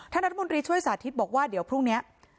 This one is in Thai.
รัฐมนตรีช่วยสาธิตบอกว่าเดี๋ยวพรุ่งนี้